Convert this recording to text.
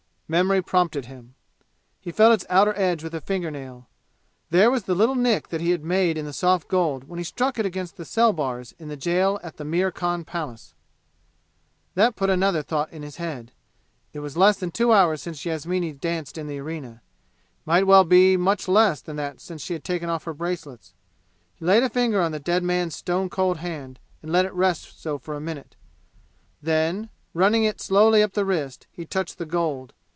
Memory prompted him. He felt its outer edge with a finger nail. There was the little nick that he had made in the soft gold when he struck it against the cell bars in the jail at the Mir Khan Palace! That put another thought in his head. It was less than two hours since Yasmini danced in the arena. It might well be much less than that since she had taken off her bracelets. He laid a finger on the dead man's stone cold hand and let it rest so for a minute. Then, running it slowly up the wrist, he touched the gold.